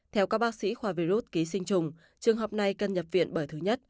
theo các bác sĩ khoa virus ký sinh trùng trường hợp này cần nhập viện bởi thứ nhất